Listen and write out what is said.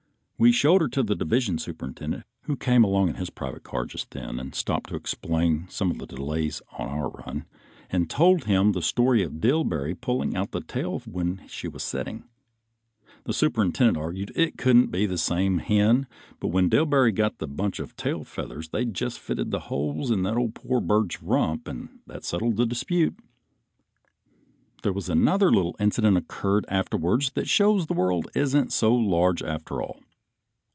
We showed her to the division superintendent, who came along in his private car just then and stopped to explain some of the delays on our run, and told him the story of Dillbery pulling out her tail when she was setting. The superintendent argued it couldn't be the same hen, but when Dillbery got the bunch of tail feathers they just fitted in the holes in the poor old bird's rump and that settled the dispute. There was another little incident occurred afterwards that shows the world isn't so large after all.